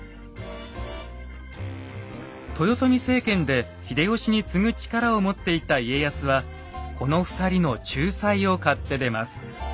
豊臣政権で秀吉に次ぐ力を持っていた家康はこの２人の仲裁を買って出ます。